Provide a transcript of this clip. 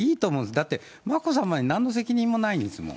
だって眞子さまになんの責任もないんですもん。